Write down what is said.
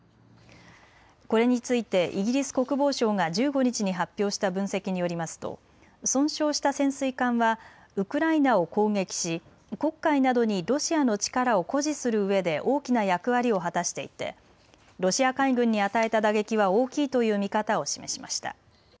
これについてイギリス国防省が１５日に発表した分析によりますと損傷した潜水艦はウクライナを攻撃し黒海などにロシアの力を誇示するうえで大きな役割を果たしていてロシア海軍に与えた打撃は大きいという見方を示しました。